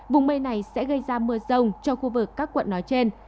vùng mây này sẽ gây ra mưa rông cho khu vực các quận nói trên